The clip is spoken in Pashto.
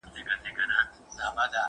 کېدای سي ځواب لنډ وي،